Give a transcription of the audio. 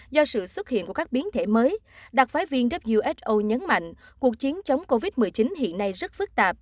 do sự xuất hiện của các biến thể mới đặc phái viên who nhấn mạnh cuộc chiến chống covid một mươi chín hiện nay rất phức tạp